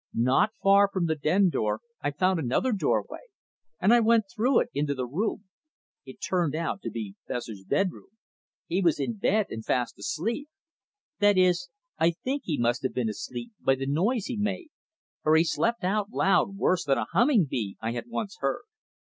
Not far from the den door I found another doorway, and I went through it into the room. It turned out to be Fessor's bedroom. He was in bed and fast asleep. That is, I think he must have been asleep by the noise he made, for he slept out loud worse than a humming bee I had once heard.